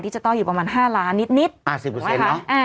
ดิจาตอลอยู่ประมาณห้าร้านนิดนิดอ่าสิบเปอร์เซ็นต์เนอะเออ